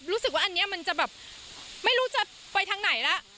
รู้สึกว่าอันนี้มันจะแบบไม่รู้จะไปทางไหนแล้ว